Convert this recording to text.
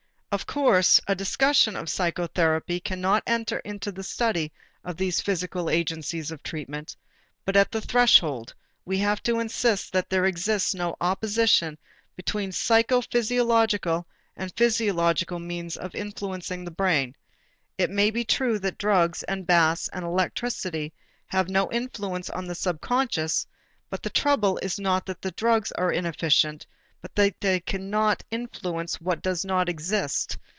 Of course a discussion of psychotherapy cannot enter into the study of these physical agencies of treatment, but at the threshold, we have to insist that there exists no opposition between psychophysiological and physiological means of influencing the brain. It may be true that drugs and baths and electricity have no influence on the subconscious, but the trouble is not that the drugs are inefficient but that they cannot influence what does not exist.